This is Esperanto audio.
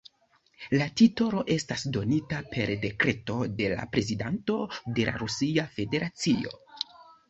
La titolo estas donita per dekreto de la prezidanto de la Rusia Federacio.